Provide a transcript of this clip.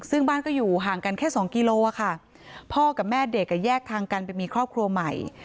ซึ่งบ้านก็อยู่ห่างกันแค่สองกิโลค่ะพ่อกับแม่เด็กอ่ะแยกทางกันไปมีครอบครัวใหม่